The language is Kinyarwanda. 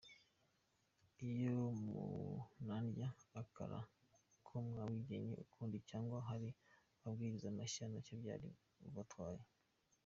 Iyo munandya akara ko mwabigennye ukundi cyangwa hari amabwiriza mashya ntacyo byari bubatware.